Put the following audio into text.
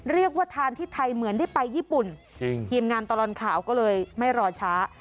เรียกว่าทานที่ไทยเหมือนได้ไปญี่ปุ่นจริงทีมงานตลอดข่าวก็เลยไม่รอช้า